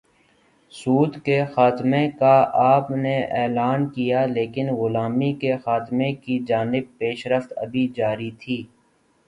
سود کے خاتمے کا آپ نے اعلان کیا لیکن غلامی کے خاتمے کی جانب پیش رفت ابھی جاری تھی۔